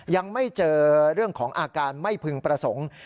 ยังไม่เจอเรื่องของอาการไม่พึงประสงค์